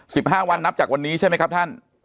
สิบห้าวันนับจากวันนี้ใช่ไหมครับท่าน